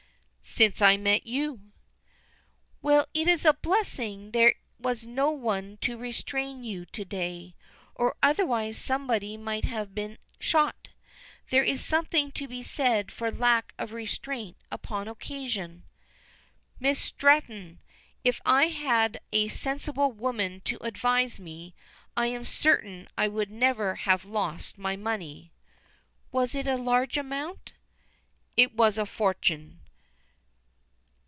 "Since I met you." "Well, it is a blessing there was no one to restrain you to day, or otherwise somebody might have been shot. There is something to be said for lack of restraint upon occasion." "Miss Stretton, if I had had a sensible woman to advise me, I am certain I would never have lost my money." "Was it a large amount?" "It was a fortune."